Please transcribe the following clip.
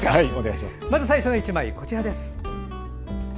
まず最初の１枚、こちらです。